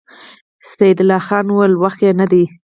سيدال خان وويل: وخت يې نه دی؟